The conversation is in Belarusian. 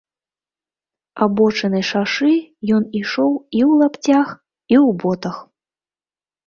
Абочынай шашы ён ішоў і ў лапцях, і ў ботах.